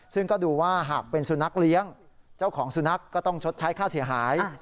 ซึ่งก็ดูว่าหากเป็นสุนัขเลี้ยงเจ้าของสุนัขก็ต้องชดใช้ค่าเสียหาย